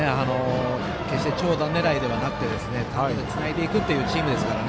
決して長打狙いではなくて単打でつないでいくというチームですから。